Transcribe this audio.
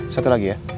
satu lagi ya